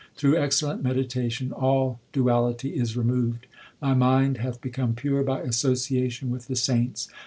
Through excellent meditation all duality is removed ; My mind hath become pure by association with the saints.